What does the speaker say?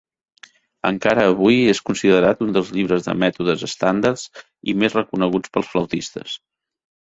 Encara avui és considerat un dels llibres de mètodes estàndards i més reconeguts pels flautistes.